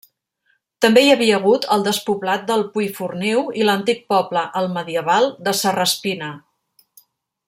També hi havia hagut el despoblat de Puiforniu i l'antic poble, altmedieval, de Serraspina.